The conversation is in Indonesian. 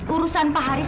urusan pak haris